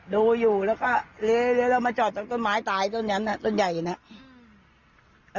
ดูอยู่แล้วก็เลี้ยเรามาจอดตรงต้นไม้ตายต้นนั้นต้นใหญ่เนี่ย